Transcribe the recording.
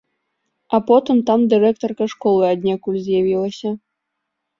А потым там дырэктарка школы аднекуль з'явілася.